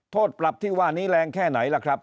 โทษปรับที่ว่านี้แรงแค่ไหนล่ะครับ